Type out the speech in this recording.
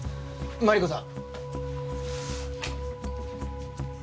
マリコさん